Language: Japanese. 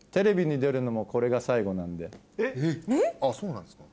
あっそうなんですか？